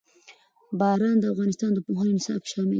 باران د افغانستان د پوهنې نصاب کې شامل دي.